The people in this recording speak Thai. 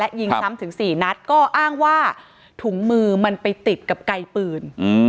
ยิงซ้ำถึง๔นัดก็อ้างว่าถุงมือมันไปติดกับไกลปืน